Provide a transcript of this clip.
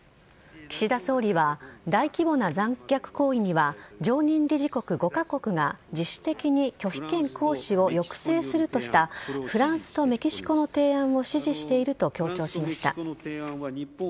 岸田総理は大規模な残虐行為には常任理事国５か国が、自主的に拒否権行使を抑制するとした、フランスとメキシコの提案を支持していると強調しました。